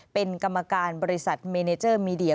เป็นกรรมการบริษัทเมเนเจอร์มีเดีย